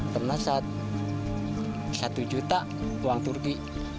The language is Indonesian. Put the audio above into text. pernah satu juta uang turki